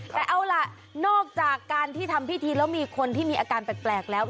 แต่เอาล่ะนอกจากการที่ทำพิธีแล้วมีคนที่มีอาการแปลกแล้ว